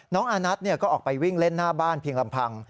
อานัทก็ออกไปวิ่งเล่นหน้าบ้านเพียงลำพัง